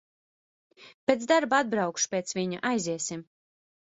Pēc darba atbraukšu pēc viņa, aiziesim.